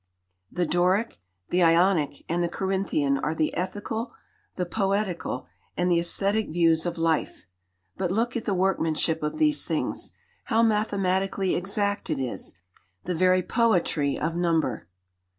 The Doric, the Ionic, and the Corinthian are the ethical, the poetical, and the aesthetic views of life. But look at the workmanship of these things. How mathematically exact it is the very poetry of number.